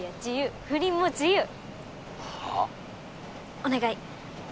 お願い！